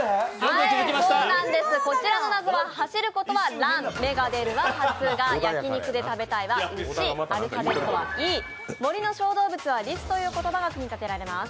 こちらの謎は走ることは「らん」、めがでるは「はつが」、焼肉で食べたいは「うし」、アルファベットは「いー」、森の小動物は「りす」という言葉が組み立てられます。